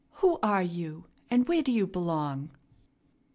"Who are you, and where do you belong?"